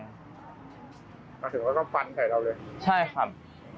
ถึงว่าก็ฟันไข่เราเลยใช่ครับ